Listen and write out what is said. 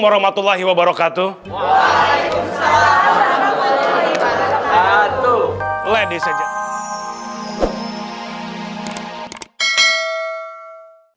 warahmatullahi wabarakatuh waalaikumsalam warahmatullahi wabarakatuh